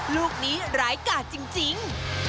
ลูกนี้ร้ายกาดจริง